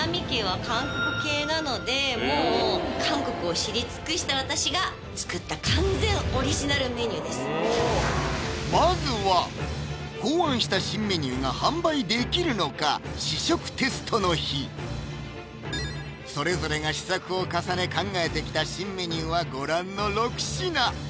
もう韓国を知り尽くした私が作った完全オリジナルメニューですまずは考案した新メニューが販売できるのか試食テストの日それぞれが試作を重ね考えてきた新メニューはご覧の６品